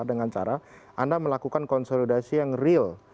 dengan cara anda melakukan konsolidasi yang real